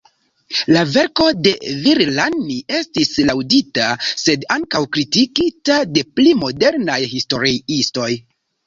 La verko de Villani estis laŭdita, sed ankaŭ kritikita de pli modernaj historiistoj.